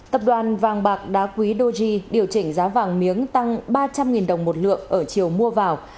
tập đoàn vàng bạc đá quý doji điều chỉnh giá vàng miếng tăng ba trăm linh đồng một lượng ở chiều mua vào